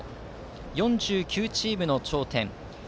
４９チームの頂点。